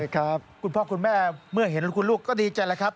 คุณพ่อคุณแม่เมื่อเห็นคุณลูกก็ดีใจแล้วครับ